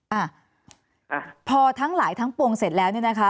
อ่าพอทั้งหลายทั้งปวงเสร็จแล้วเนี่ยนะคะ